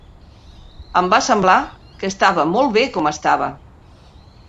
Em va semblar que estava molt bé com estava.